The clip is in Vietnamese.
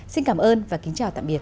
xin cảm ơn và kính chào tạm biệt